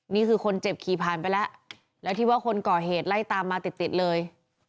นี่คือคนเจ็บขี่ผ่านไปแล้วแล้วที่ว่าคนก่อเหตุไล่ตามมาติดติดเลย